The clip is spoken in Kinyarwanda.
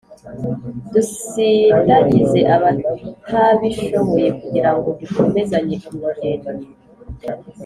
Dusindagize abatabishoboye kugira ngo dukomezanye uru rugendo